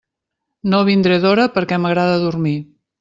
No vindré d'hora perquè m'agrada dormir.